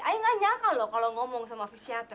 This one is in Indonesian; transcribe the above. ayah nggak nyangka loh kalau ngomong sama fisioter